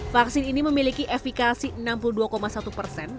vaksin ini memiliki efikasi enam puluh dua satu persen